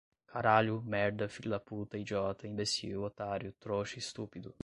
Caralho, merda, filho da puta, idiota, imbecil, otário, trouxa, estúpido